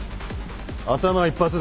頭一発でだ。